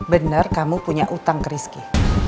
bener kamu punya utang keriski